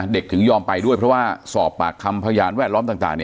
ถึงยอมไปด้วยเพราะว่าสอบปากคำพยานแวดล้อมต่าง